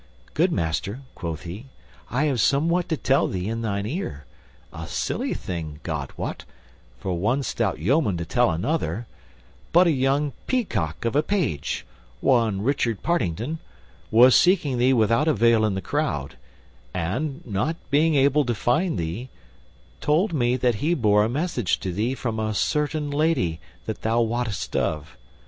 "Good master," quoth he, "I have somewhat to tell thee in thine ear; a silly thing, God wot, for one stout yeoman to tell another; but a young peacock of a page, one Richard Partington, was seeking thee without avail in the crowd, and, not being able to find thee, told me that he bore a message to thee from a certain lady that thou wottest of.